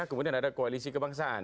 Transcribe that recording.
kemudian ada koalisi kebangsaan